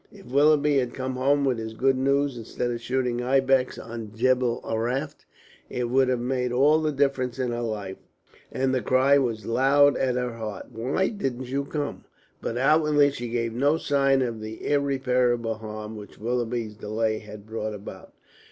If Willoughby had come home with his good news instead of shooting ibex on Jebel Araft, it would have made all the difference in her life, and the cry was loud at her heart, "Why didn't you come?" But outwardly she gave no sign of the irreparable harm which Willoughby's delay had brought about.